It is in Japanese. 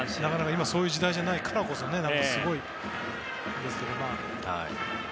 今そういう時代じゃないからこそ、すごいですけど。